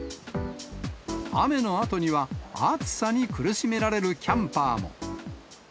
雨のあとには暑さに苦しめられるキャンパーも。